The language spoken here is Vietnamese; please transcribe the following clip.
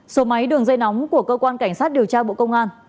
số máy đường dây nóng của cơ quan cảnh sát điều tra bộ công an